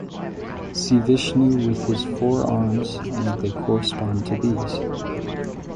See Vishnu with his four arms and they correspond to these.